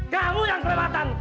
kamu yang kelewatan